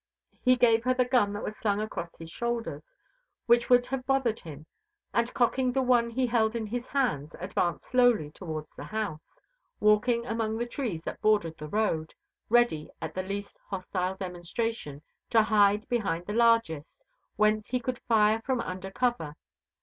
He gave her the gun that was slung across his shoulders, which would have bothered him, and, cocking the one he held in his hands, advanced slowly towards the house, walking among the trees that bordered the road, ready at the least hostile demonstration, to hide behind the largest, whence he could fire from under cover.